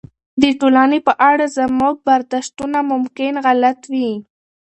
د ټولنې په اړه زموږ برداشتونه ممکن غلط وي.